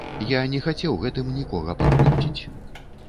Я не хацеў гэтым нікога пакрыўдзіць.